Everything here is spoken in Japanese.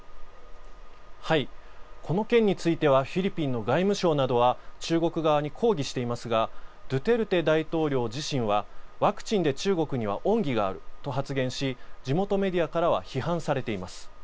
この件についてはフィリピンの外務省などは中国側に抗議していますがドゥテルテ大統領自身はワクチンで中国には恩義があると発言し地元メディアからは批判されています。